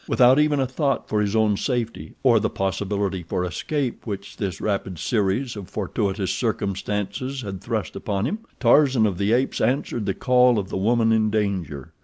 Without even a thought for his own safety, or the possibility for escape which this rapid series of fortuitous circumstances had thrust upon him, Tarzan of the Apes answered the call of the woman in danger.